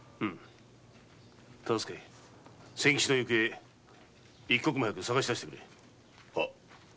忠相仙吉の行方一刻も早く捜し出してくれ。